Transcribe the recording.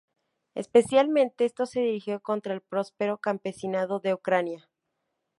Especialmente esto se dirigió contra el próspero campesinado de Ucrania.